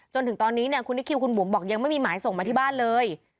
จนถึงตอนนี้เนี่ยคุณนิคิวคุณบุ๋มบอกยังไม่มีหมายส่งมาที่บ้านเลย